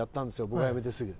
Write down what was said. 僕が辞めてすぐ。